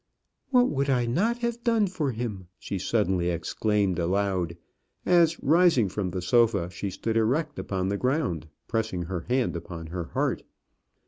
"What would I not have done for him!" she suddenly exclaimed aloud, as, rising from the sofa, she stood erect upon the ground, pressing her hand upon her heart.